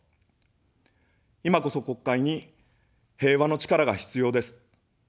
いまこそ国会に平和の力が必要です。